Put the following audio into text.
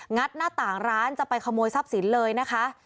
ัดหน้าต่างร้านจะไปขโมยทรัพย์สินเลยนะคะ